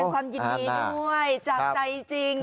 ความยินดีด้วยจากใจจริง